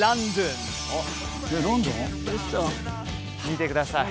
見てください